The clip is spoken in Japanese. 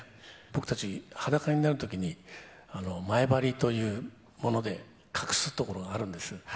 僕たち、裸になるときに、前ばりというもので隠すところがあるんです。